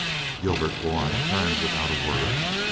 Gilbert Bourne turned without a word.